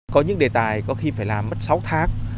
có những đề tài có khi phải làm mất sáu tháng